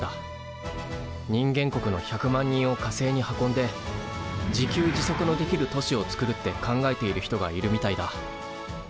人間国の１００万人を火星に運んで自給自足のできる都市をつくるって考えている人がいるみたいだ。